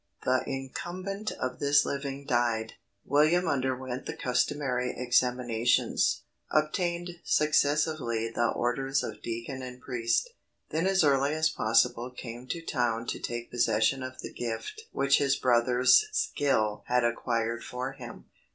The incumbent of this living died William underwent the customary examinations, obtained successively the orders of deacon and priest; then as early as possible came to town to take possession of the gift which his brother's skill had acquired for him.